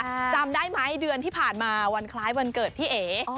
จำได้ไหมเดือนที่ผ่านมาวันคล้ายวันเกิดพี่เอ๋